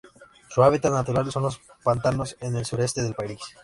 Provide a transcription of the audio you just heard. Su hábitat natural son los pantanos en el sureste del país.